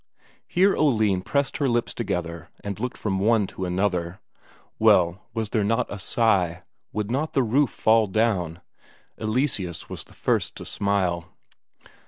Here Oline pressed her lips together and looked from one to another. Well, was there not a sigh would not the roof fall down? Eleseus was the first to smile.